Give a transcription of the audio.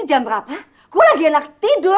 awas lo ya gua abisin lo semua